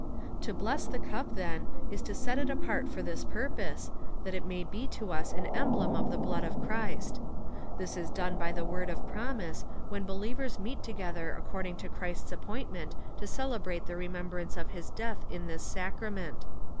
To bless the cup, then, is to set it apart for this purpose, that it may be to us an emblem of the blood of Christ. This is done by the word of promise, when believers meet toge ther according to Christ's appointment to celebrate the re membrance of his death in this Sacrament.